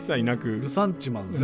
ルサンチマンですね。